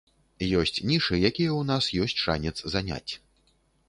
Ёсць нішы, якія ў нас ёсць шанец заняць.